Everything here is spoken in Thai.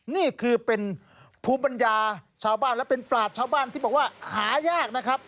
นี่คือเป็นภูมิปัญญาชาวบ้านและเป็นปลาดชาวบ้านที่บอกว่าหายากนะครับ